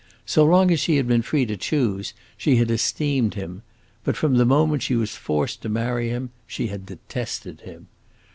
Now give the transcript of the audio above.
So long as she had been free to choose, she had esteemed him: but from the moment she was forced to marry him she had detested him.